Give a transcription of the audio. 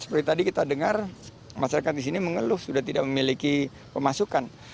seperti tadi kita dengar masyarakat di sini mengeluh sudah tidak memiliki pemasukan